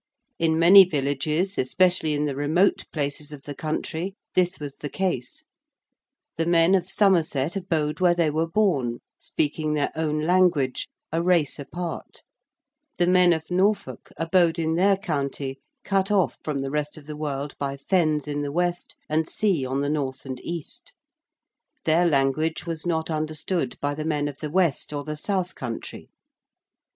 In many villages, especially in the remote places of the country, this was the case. The men of Somerset abode where they were born, speaking their own language, a race apart: the men of Norfolk abode in their county cut off from the rest of the world by fens in the west and sea on the north and east: their language was not understood by the men of the west or the south country.